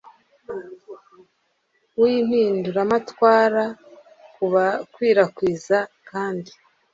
w'impinduramatwara bakwirakwiza kandi